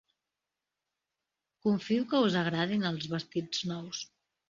Confio que us agradin els vestits nous.